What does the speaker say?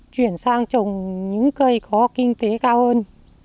chúng tôi có thể chuyển sang trồng cây cao su hơn